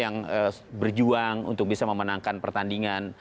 yang berjuang untuk bisa memenangkan pertandingan